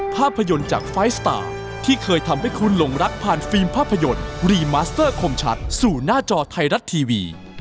ภาพยนตร์จากไฟล์สตาร์ที่เคยทำให้คุณหลงรักผ่านฟิล์มภาพยนตร์รีมาสเตอร์คมชัดสู่หน้าจอไทยรัฐทีวี